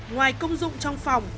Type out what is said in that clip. ngoài công dụng trong phòng